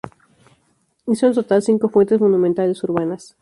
Hizo en total cinco fuentes monumentales urbanas.